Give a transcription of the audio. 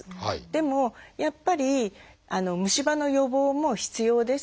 でもやっぱり虫歯の予防も必要ですから。